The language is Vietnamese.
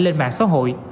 lên mạng xã hội